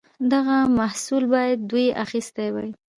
دغه محصول باید دوی اخیستی وای.